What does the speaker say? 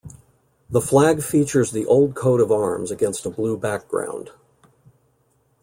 The flag features the old coat of arms against a blue background.